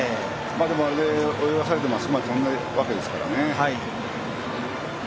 あれで泳がされてもあそこまで飛んだわけですからね。